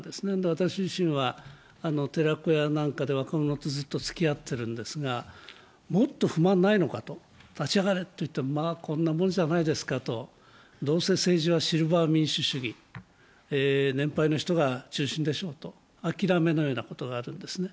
私自身は寺子屋なんかでずっとつきあっているんですがもっと不満ないのか、立ち上がれと言ってもまあ、こんなもんじゃないですかとどうせ政治はシルバー民主主義、年配の人が中心でしょと諦めのような言葉があるんですね。